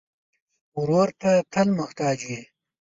ورور ته تل محتاج یې.